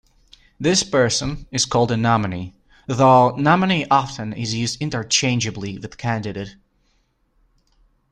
This person is called a "nominee", though nominee often is used interchangeably with "candidate".